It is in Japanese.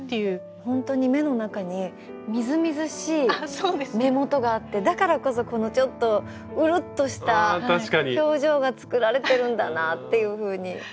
本当に目の中にみずみずしい目元があってだからこそこのちょっとうるっとした表情が作られてるんだなっていうふうに思いました。